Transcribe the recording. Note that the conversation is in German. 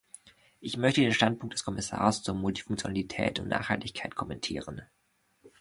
Ich möchte den Standpunkt des Kommissars zur Multifunktionalität und Nachhaltigkeit kommentieren.